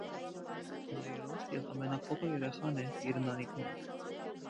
Նա երրորդ և ամենափոքր երեխան է իր ընտանիքում։